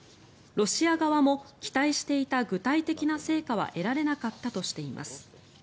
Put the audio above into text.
ロシア側も期待していた具体的な成果は得られなかったとしています。